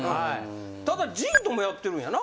ただ陣ともやってるんやな？